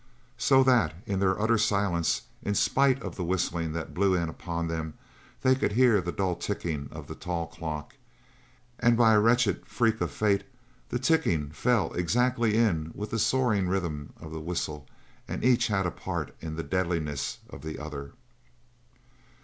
So that, in their utter silence, in spite of the whistling that blew in upon them, they could hear the dull ticking of the tall clock, and by a wretched freak of fate the ticking fell exactly in with the soaring rhythm of the whistle and each had a part in the deadliness of the other.